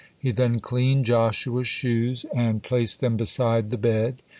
He then cleaned Joshua's shoes and placed them beside the bed.